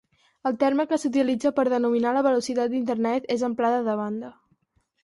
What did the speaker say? El terme que s'utilitza per denominar la velocitat d'Internet és amplada de banda.